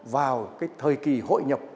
vào cái thời kỳ hội nhập